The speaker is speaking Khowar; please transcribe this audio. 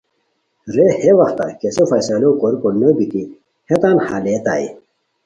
رے ہے وختہ کیسو فیصلو کوریکو نوبیتی ہیتان ہالئیتائے